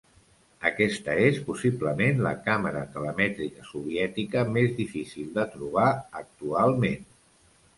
Aquesta és possiblement la càmera telemètrica soviètica més difícil de trobar actualment.